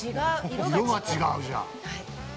色が違うじゃん。